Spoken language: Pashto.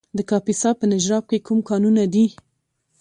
د کاپیسا په نجراب کې کوم کانونه دي؟